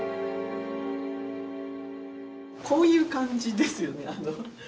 こういう感じですよね。